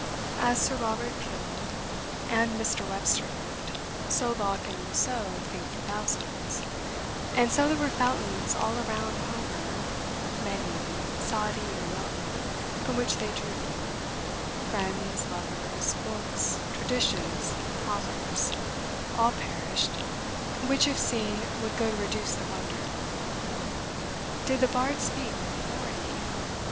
As Sir Robert Peel and Mr. Webster vote, so Locke and Rousseau think for thousands; and so there were fountains all around Homer, Menu, Saadi, or Milton, from which they drew; friends, lovers, books, traditions, proverbs, all perished, which, if seen, would go to reduce the wonder. Did the bard speak with authority?